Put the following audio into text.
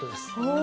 ・お！